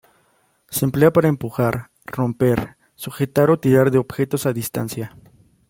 Se emplea para empujar, romper, sujetar o tirar de objetos a distancia.